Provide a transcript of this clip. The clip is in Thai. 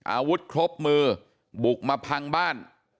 อาวุธครบมือบุกมาพังบ้าน